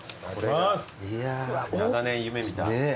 長年夢見た。